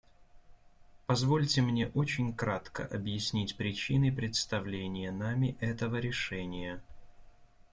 Позвольте мне очень кратко объяснить причины представления нами этого решения.